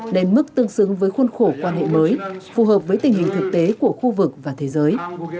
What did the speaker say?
lên mức tương xứng với khuôn khổ quan hệ mới phù hợp với tình hình thực tế của khu vực và thế giới